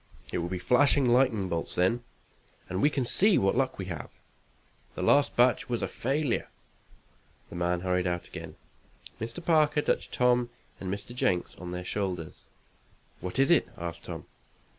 It will be flashing lightning bolts then, and we can see what luck we have. The last batch was a failure." The man hurried out again. Mr. Parker touched Tom and Mr. Jenks on their shoulders. "What is it?" asked Tom.